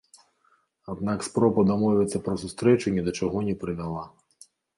Аднак спроба дамовіцца пра сустрэчу ні да чаго не прывяла.